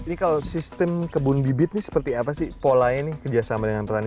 ini kalau sistem kebun bibit ini seperti apa sih polanya nih kerjasama dengan petani